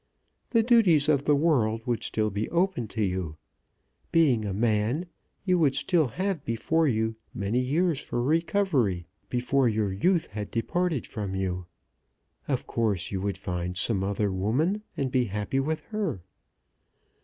The duties of the world would still be open to you. Being a man, you would still have before you many years for recovery before your youth had departed from you. Of course you would find some other woman, and be happy with her.